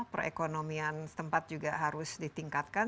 perekonomian setempat juga harus ditingkatkan